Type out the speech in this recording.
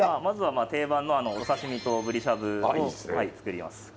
まずは定番のお刺身とブリしゃぶを作ります。